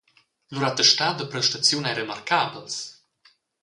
Lur attestat da prestaziun ei remarcabels.